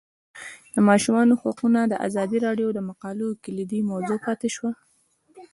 د ماشومانو حقونه د ازادي راډیو د مقالو کلیدي موضوع پاتې شوی.